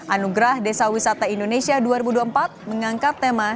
anugerah desa wisata indonesia dua ribu dua puluh empat mengangkat tema